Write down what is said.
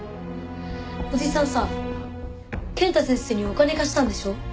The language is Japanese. おじさんさ健太先生にお金貸したんでしょ？